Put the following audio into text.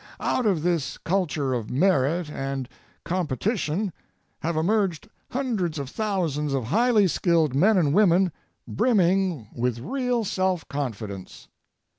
Out of this culture of merit and competition have emerged hundreds of thousands of highly skilled men and women brimming with real self confidence.